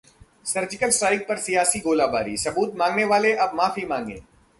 surgical strike पर सियासी गोलाबारी: सबूत मांगने वाले अब माफी मांगें